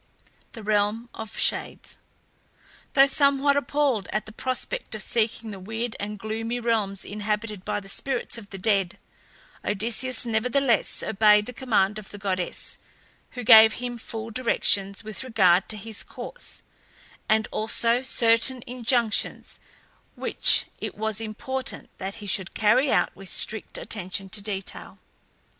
THE REALM OF SHADES. Though somewhat appalled at the prospect of seeking the weird and gloomy realms inhabited by the spirits of the dead, Odysseus nevertheless obeyed the command of the goddess, who gave him full directions with regard to his course, and also certain injunctions which it was important that he should carry out with strict attention to detail.